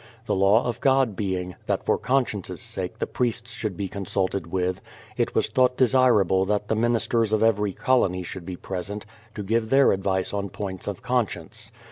The law of God being, that for conscience' sake the priests should be consulted with, it was thought desirable that the ministers of every colony should be present to give their advice on points of conscience.